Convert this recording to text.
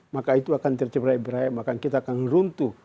maka itu akan terjebak beraya maka kita akan runtuh